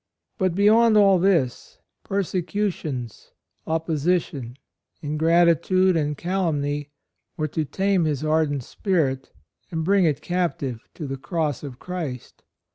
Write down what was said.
But beyond all this, persecutions, opposition, ingratitude and calumny were to tame his ardent spirit and bring it cap tive to the Cross of Christ.